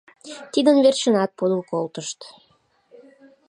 Тидын верчынат подыл колтышт.